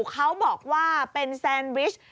เขาบอกว่าเป็นแซนวิช